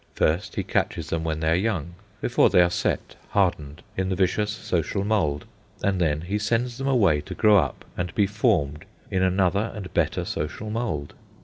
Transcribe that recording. First, he catches them when they are young, before they are set, hardened, in the vicious social mould; and then he sends them away to grow up and be formed in another and better social mould.